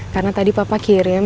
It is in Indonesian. karena tadi papa kirim